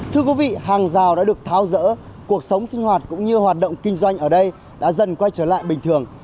thưa quý vị hàng rào đã được tháo rỡ cuộc sống sinh hoạt cũng như hoạt động kinh doanh ở đây đã dần quay trở lại bình thường